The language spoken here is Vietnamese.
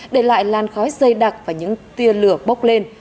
để lại lan khói dây đặc và những tiên lửa bốc lên